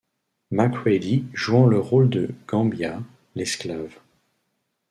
Macready jouant le rôle de Gambia, l'esclave.